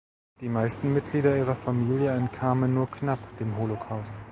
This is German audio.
Die meisten Mitglieder ihrer Familie entkamen nur knapp dem Holocaust.